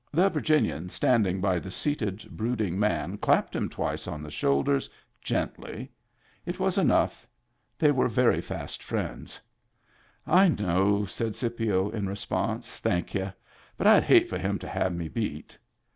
The Virginian standing by the seated, brooding man clapped him twice on the shoulders, gently. It was enough. They were very fast friends. "I know," said Scipio in response. "Thank y'u. But I'd hate for him to have me beat."